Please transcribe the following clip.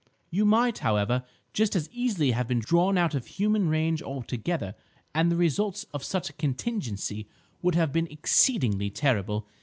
You might, however, just as easily have been drawn out of human range altogether, and the results of such a contingency would have been exceedingly terrible.